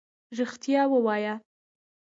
رښتيا ووايه.